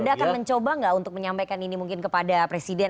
anda akan mencoba nggak untuk menyampaikan ini mungkin kepada presiden